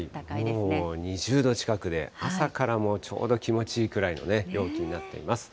もう２０度近くで、朝からもちょうど気持ちいいくらいの陽気になっています。